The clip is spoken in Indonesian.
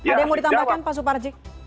ada yang mau ditambahkan pak suparji